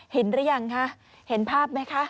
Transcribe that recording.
หรือยังคะเห็นภาพไหมคะ